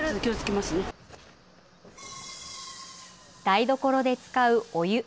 台所で使うお湯。